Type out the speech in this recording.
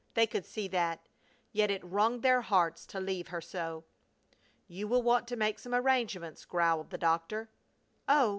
They could see that. Yet it wrung their hearts to leave her so. "You will want to make some arrangements," growled the doctor. "Oh!